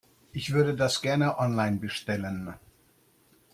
Ich würde das gerne online bestellen.